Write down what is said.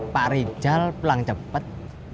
pak rizal pulang cepat